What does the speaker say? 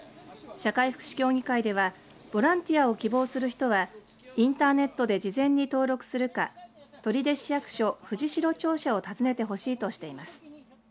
社会福祉協議会ではボランティアを希望する人はインターネットで事前に登録するか取手市役所藤代庁舎を訪ねてほしいとしています。